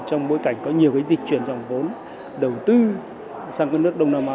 trong bối cảnh có nhiều cái dịch chuyển dòng vốn đầu tư sang các nước đông nam a